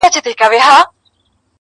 لکه نغمه لکه سيتار خبري ډيري ښې دي.